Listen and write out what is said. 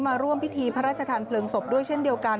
มาร่วมพิธีพระราชทานเพลิงศพด้วยเช่นเดียวกัน